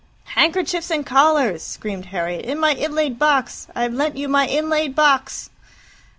"Handkerchiefs and collars," screamed Harriet, "in my inlaid box! I've lent you my inlaid box."